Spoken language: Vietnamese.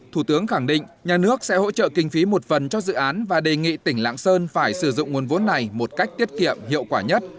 thủ tướng khẳng định nhà nước sẽ hỗ trợ kinh phí một phần cho dự án và đề nghị tỉnh lạng sơn phải sử dụng nguồn vốn này một cách tiết kiệm hiệu quả nhất